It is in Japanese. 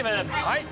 はい。